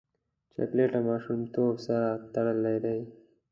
چاکلېټ له ماشومتوب سره تړلی دی.